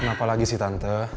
kenapa lagi sih tante